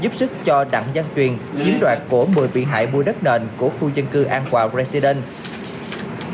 giúp sức cho đặng gian truyền chiếm đoạt của một mươi vị hại mua đất nền của khu dân cư an quả residence